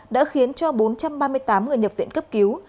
đã khiến cho bốn trăm ba mươi tám người nhập viện cấp cứu